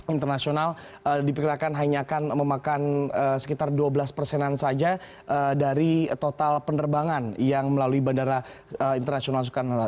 internasional diperkirakan hanya akan memakan sekitar dua belas persenan saja dari total penerbangan yang melalui bandara internasional soekarno hatta